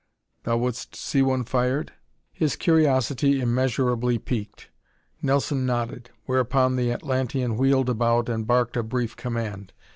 Thou wouldst see one fired?" His curiosity immeasurably piqued, Nelson nodded, whereupon the Atlantean wheeled about and barked a brief command.